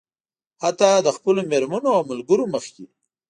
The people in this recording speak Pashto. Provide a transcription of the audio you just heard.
حتيٰ د خپلو مېرمنو او ملګرو مخکې.